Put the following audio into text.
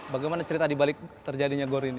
bagaimana cerita di balik terjadinya gor ini